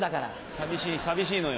寂しい寂しいのよ。